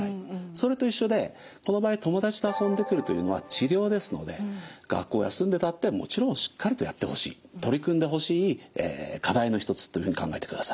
それと一緒でこの場合友達と遊んでくるというのは治療ですので学校休んでたってもちろんしっかりとやってほしい取り組んでほしい課題の一つというふうに考えてください。